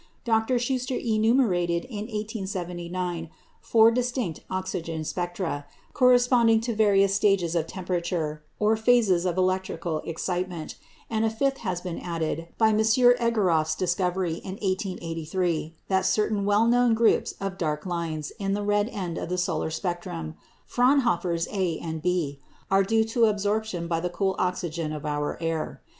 Dr. Schuster enumerated in 1879 four distinct oxygen spectra, corresponding to various stages of temperature, or phases of electrical excitement; and a fifth has been added by M. Egoroff's discovery in 1883 that certain well known groups of dark lines in the red end of the solar spectrum (Fraunhofer's A and B) are due to absorption by the cool oxygen of our air.